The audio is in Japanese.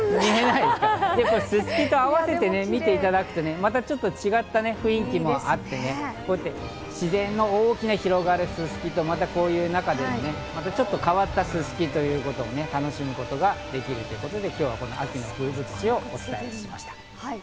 すすきと合わせて見ていただくと、また違った雰囲気もあってね、自然に大きな広がるススキと、またこういう中でちょっと変わった、すすきということも楽しむことができるということで秋の風物詩をお伝えしました。